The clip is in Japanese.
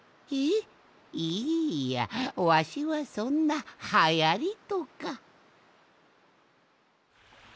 いやわしはそんなはやりとか。